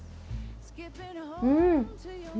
うん！